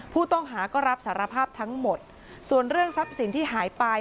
ผู้ต้องหาก็รับสารภาพทั้งหมดส่วนเรื่องทรัพย์สินที่หายไป